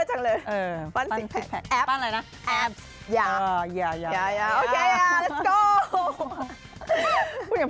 อยากจะไปปั้นด้วยน่ะ